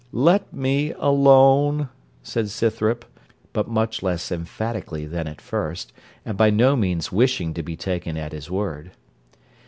'Let me alone,' said Scythrop, but much less emphatically than at first, and by no means wishing to be taken at his word.